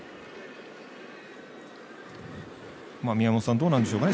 宮本さん、どうなんでしょうか。